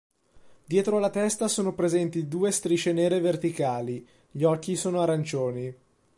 Dietro la testa sono presenti due strisce nere verticali; gli occhi sono arancioni.